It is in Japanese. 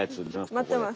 まってます。